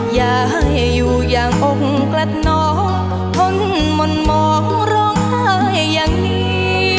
อย่าให้อยู่อย่างองค์กระน้องทนมนต์มองร้องไห้อย่างนี้